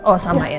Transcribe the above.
oh sama ya